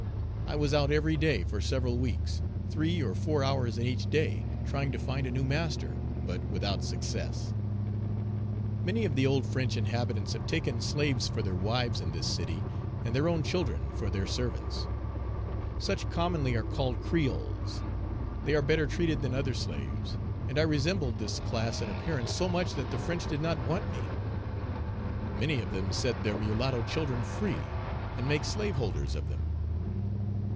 I was out every day for several weeks, three or four hours in each day, trying to find a new master, but without success. Many of the old French inhabitants have taken slaves for their wives, in this city, and their own children for their servants. Such commonly are called Creoles. They are better treated than other slaves, and I resembled this class in appearance so much that the French did not want me. Many of them set their mulatto children free, and make slaveholders of them.